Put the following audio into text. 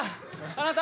あなた！